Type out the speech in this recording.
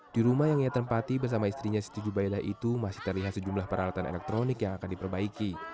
di rumah yang ia tempati bersama istrinya siti jubaila itu masih terlihat sejumlah peralatan elektronik yang akan diperbaiki